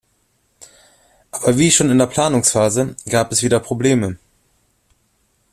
Aber wie schon in der Planungsphase gab es wieder Probleme.